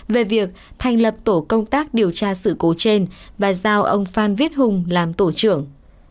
về việc thành lập tổ công tác điều tra sự cố trên và giao ông phan viết hùng làm tổ trưởng